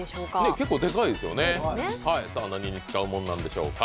結構でかいですよね何に使うものなんでしょうか。